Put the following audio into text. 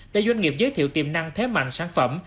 để doanh nghiệp giới thiệu tiềm năng thế mạnh sản phẩm